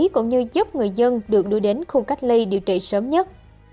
cũng như giúp người dân được đưa đến khu cách ly điều trị sớm nhất